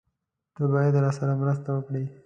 تۀ باید راسره مرسته وکړې!